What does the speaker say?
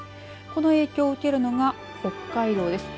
この影響を受けるのが北海道です。